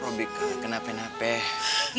robi kena penahpeng